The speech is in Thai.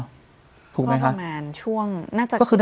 ก็ประมาณช่วงน่าจะขึ้นเรื่อง